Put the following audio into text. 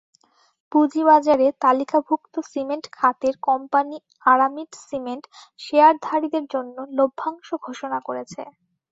পুঁজিবাজারে তালিকাভুক্ত সিমেন্ট খাতের কোম্পানি আরামিট সিমেন্ট শেয়ারধারীদের জন্য লভ্যাংশ ঘোষণা করেছে।